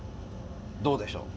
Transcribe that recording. どうでしょう。